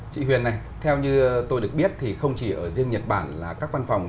chị huyền này theo như tôi được biết thì không chỉ ở riêng nhật bản là các văn phòng